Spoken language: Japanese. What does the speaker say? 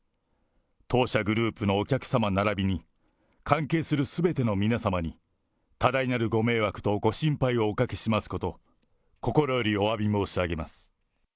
当社グループのお客様ならびに関係するすべての皆様に、多大なるご迷惑とご心配をおかけしますこと、心よりおわび申し上